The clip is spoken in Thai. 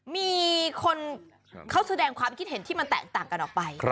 มีคนเขาแสดงความคิดเห็นที่มันแตกต่างกันออกไป